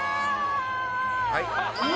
はい